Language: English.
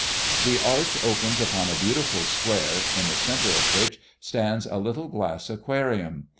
The arch opens upon a beautiful square, in the centre of which stands a little glass aquarium.